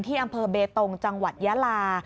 อำเภอเบตงจังหวัดยาลา